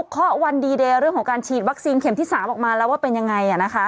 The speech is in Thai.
เคาะวันดีเดย์เรื่องของการฉีดวัคซีนเข็มที่๓ออกมาแล้วว่าเป็นยังไง